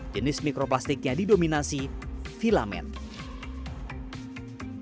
jenis mikroplastiknya didominasi filament